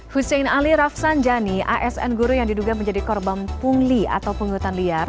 hussein ali rafsanjani asn guru yang diduga menjadi korban pungli atau penghutan liar